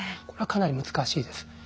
これはかなり難しいです。